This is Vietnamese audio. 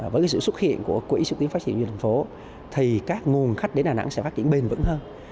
với sự xuất hiện của quỹ xuất tiến phát triển du lịch thành phố thì các nguồn khách đến đà nẵng sẽ phát triển bền vững hơn